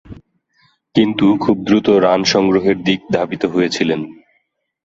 কিন্তু খুব দ্রুত রান সংগ্রহের দিক ধাবিত হয়েছিলেন।